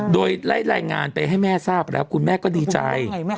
โดยไล่รายงานไปให้แม่ทราบแล้วคุณแม่ก็ดีใจ